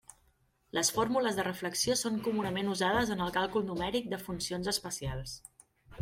Les fórmules de reflexió són comunament usades en el càlcul numèric de funcions especials.